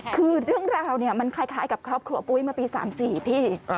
คือเรื่องราวเนี่ยมันคล้ายกับครอบครัวปุ้ยเมื่อปี๓๔พี่